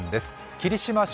霧島市